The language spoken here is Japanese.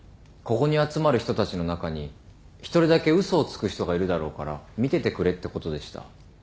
ここに集まる人たちの中に１人だけ嘘をつく人がいるだろうから見ててくれってことでした。